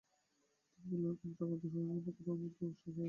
তিনি বলেন, কোনো চক্রান্ত বা ষড়যন্ত্র করে ক্ষমতায় আসা যাবে না।